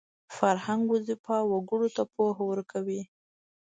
فرهنګ وظیفه وګړو ته پوهه ورکوي